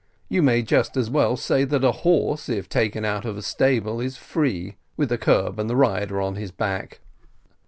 You may just as well say that a horse, if taken out of the stable, is free, with the curb and his rider on his back."